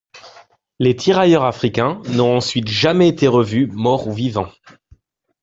Les tirailleurs africains, n'ont ensuite jamais été revus, morts ou vivants.